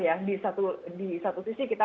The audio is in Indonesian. ya di satu sisi kita